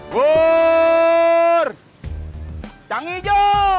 word yang hijau